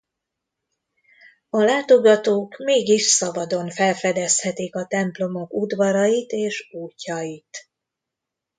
A látogatók mégis szabadon felfedezhetik a templomok udvarait és útjait.